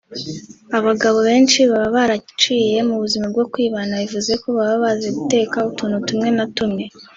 Abagabo benshi baba baraciye mu buzima bwo kwibana bivuze ko baba bazi guteka utuntu tumwe na tumwe